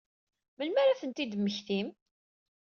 Melmi ara ad tent-id-temmektim?